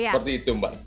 seperti itu mbak